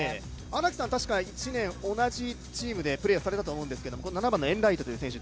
荒木さん、たしか１年同じチームでプレーされたと思うんですけど７番のエンライトという選手